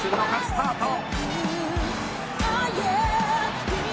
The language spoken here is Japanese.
［スタート！］